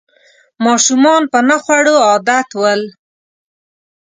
ماشومان په نه خوړو عادت ول